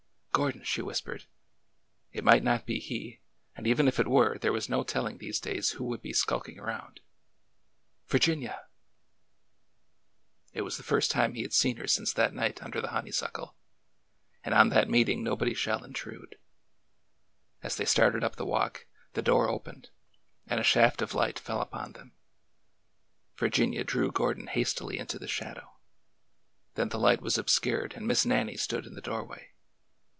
" Gordon !" she whispered. It might not be he, and even if it were, there was no telling these days who would be skulking around. Virginia !" It was the first time he had seen her since that night under the honeysuckle, and on that meeting nobody shall intrude. As they started up the walk, the door opened, and a shaft of light fell upon them. Virginia drew Gordon hastily into the shadow. Then the light was obscured and Miss Nannie stood in the doorway.